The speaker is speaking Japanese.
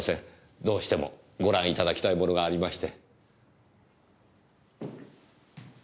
どうしてもご覧頂きたいものがありまして。